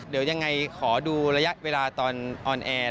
เดี๋ยวยังไงขอดูระยะเวลาตอนออนแอร์